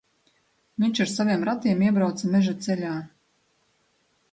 Viņš ar saviem ratiem iebrauca meža ceļā.